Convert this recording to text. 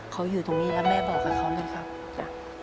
เขาอยู่ตรงนี้แล้วแม่บอกกับเขาเลยครับจ้ะ